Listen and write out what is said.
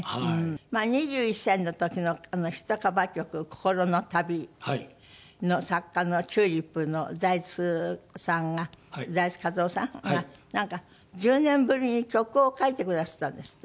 ２１歳の時のヒットカバー曲『心の旅』の作家のチューリップの財津さんが財津和夫さんがなんか１０年ぶりに曲を書いてくだすったんですって？